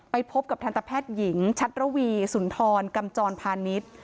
พบกับทันตแพทย์หญิงชัดระวีสุนทรกำจรพาณิชย์